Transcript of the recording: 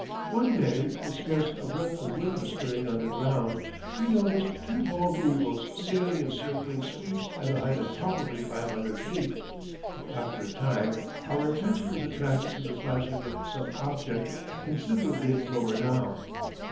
One day when scarce a breath of wind was stirring on the ground we noticed two bald eagles sailing in circling sweeps at a height of probably five hundred feet. After a time our attention was attracted to the flashing of some object considerably lower down.